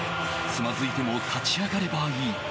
つまずいても立ち上がればいい。